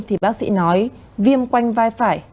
thì bác sĩ nói viêm quanh vai phải